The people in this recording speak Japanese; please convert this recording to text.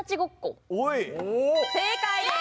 正解です！